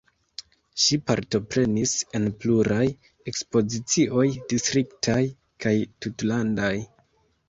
Ŝi partoprenis en pluraj ekspozicioj distriktaj kaj tutlandaj.